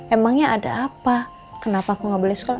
emangnya ada apa kenapa aku nggak boleh sekolah